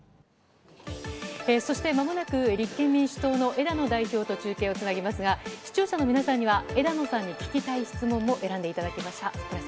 そしてまもなく立憲民主党の枝野代表と中継をつなぎますが、視聴者の皆さんには、枝野さんに聞きたい質問も選んでいただきました。